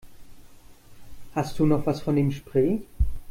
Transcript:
Hast du noch was von dem Spray?